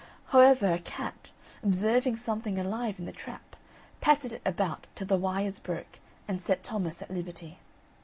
However a cat, observing something alive in the trap, patted it about till the wires broke, and set Thomas at liberty.